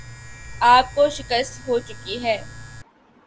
آپ کو شکست ہوچکی ہے